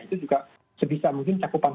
itu juga sebisa mungkin cakupan